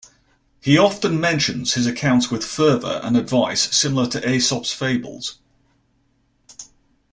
He often mentions his accounts with fervour and advice similar to Aesop's fables.